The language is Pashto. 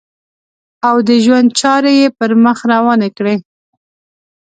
او د ژوند چارې یې پر مخ روانې کړې.